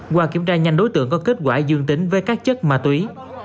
qua kiểm tra nhanh đối tượng có kết quả dương tính với các chất ma túy